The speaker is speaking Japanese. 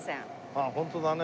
ああホントだね。